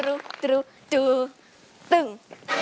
เพื่อนรักไดเกิร์ต